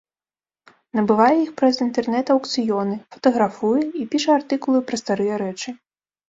Набывае іх праз інтэрнэт-аўкцыёны, фатаграфуе і піша артыкулы пра старыя рэчы.